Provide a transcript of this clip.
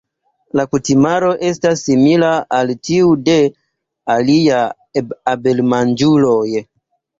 La kutimaro estas simila al tiu de aliaj abelmanĝuloj.